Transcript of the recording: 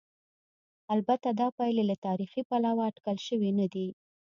البته دا پایلې له تاریخي پلوه اټکل شوې نه دي.